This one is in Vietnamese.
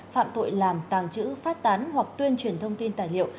phạm tội làm tàng trữ phát tán hoặc tuyên truyền thông tin tài liệu